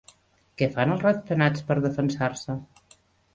Què fan els ratpenats per defensar-se?